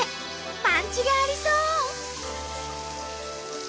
パンチがありそう！